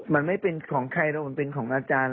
มันไม่เป็นของใครแล้วมันเป็นของอาจารย์